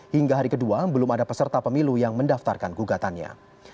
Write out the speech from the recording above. hingga hari kedua belum ada peserta pemilu yang mendaftarkan gugatannya